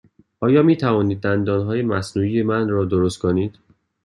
آیا می توانید دندانهای مصنوعی مرا درست کنید؟